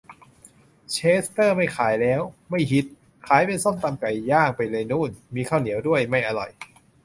เชสเตอร์ไม่ขายแล้ว ไม่ฮิต ขายเป็นส้มตำไก่ย่างไปเลยโน่น มีข้าวเหนียวด้วย ไม่อร่อย